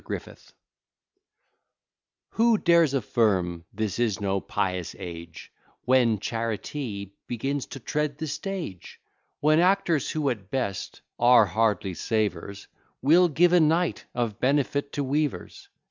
GRIFFITH Who dares affirm this is no pious age, When charity begins to tread the stage? When actors, who at best are hardly savers, Will give a night of benefit to weavers?